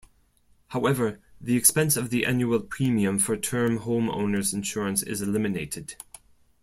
However, the expense of the annual premium for term homeowners insurance is eliminated.